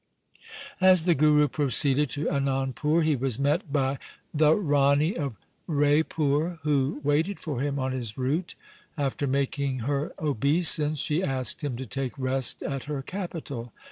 As the Guru proceeded to Anandpur he was met by the Rani of Raipur, 1 who waited for him on his route. After making her obeisance she asked him to take rest at her capital.